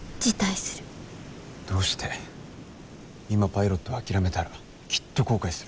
今パイロットを諦めたらきっと後悔する。